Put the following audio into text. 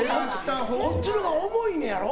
こっちのほうが重いねやろ？